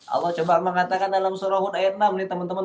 allah coba mengatakan dalam surah hut ayat enam nih teman teman